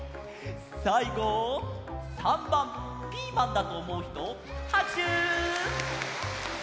さいご３ばんピーマンだとおもうひとはくしゅ！